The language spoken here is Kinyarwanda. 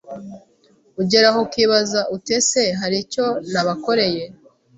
Ugeraho ukibaza uti ese haricyo nabakoreye